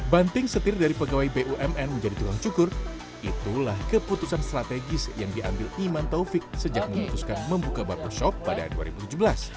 banting setir dari pegawai bumn menjadi tukang cukur itulah keputusan strategis yang diambil iman taufik sejak memutuskan membuka barbershop pada dua ribu tujuh belas